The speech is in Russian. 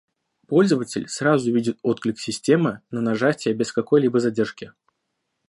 Пользователь сразу видит отклик системы на нажатие без какой-либо задержки